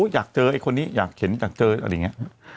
อยากเจอไอ้คนนี้อยากเห็นอยากเจออะไรอย่างนี้